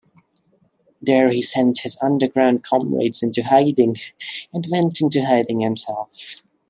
There he sent his underground comrades into hiding and went into hiding himself.